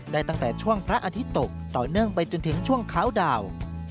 ตั้งแต่ช่วงพระอาทิตย์ตกต่อเนื่องไปจนถึงช่วงคาวดาว